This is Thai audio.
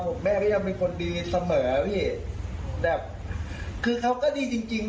กำลังอยากฆ่าคนหนึ่ง